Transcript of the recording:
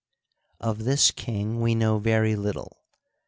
— Of this king we know very little.